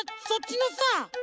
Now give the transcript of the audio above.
そっちのさ